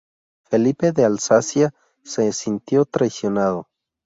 Felipe de Alsacia se sintió traicionado.